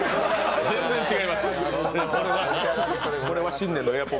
全然違います！